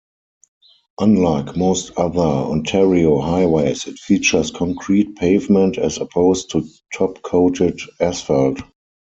Unlike most other Ontario highways, it features concrete pavement as opposed to top-coated asphalt.